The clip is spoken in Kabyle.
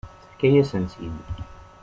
Tefka-yasen-tt-id.